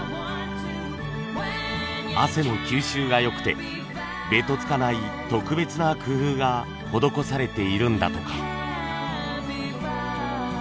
汗の吸収が良くてべとつかない特別な工夫が施されているんだとか。